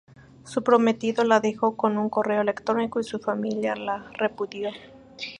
Su prometido la dejó con un correo electrónico y su familia la repudió.